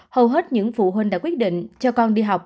hầu hết những phụ huynh đã quyết định cho con đi học